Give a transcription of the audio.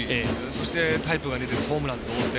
そして、タイプが似ててホームランで同点。